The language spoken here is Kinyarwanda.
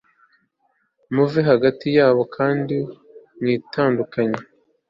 muve hagati yabo kandi mwitandukanye